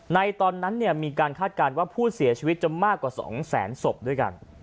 ตอนนั้นมีการคาดการณ์ว่าผู้เสียชีวิตจะมากกว่า๒แสนศพด้วยกัน